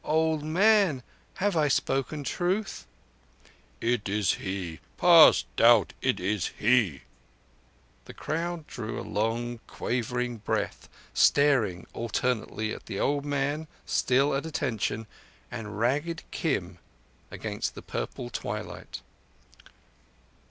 Old man, have I spoken truth?" "It is He. Past all doubt it is He." The crowd drew a long, quavering breath, staring alternately at the old man, still at attention, and ragged Kim against the purple twilight.